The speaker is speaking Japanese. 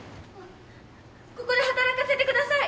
ここで働かせて下さい！